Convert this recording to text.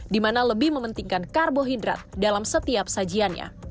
di mana lebih mementingkan karbohidrat dalam setiap sajiannya